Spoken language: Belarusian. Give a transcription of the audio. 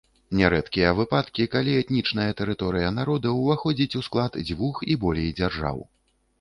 Нярэдкія выпадкі, калі этнічная тэрыторыя народа ўваходзіць у склад дзвюх і болей дзяржаў.